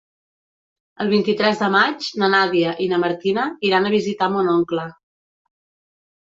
El vint-i-tres de maig na Nàdia i na Martina iran a visitar mon oncle.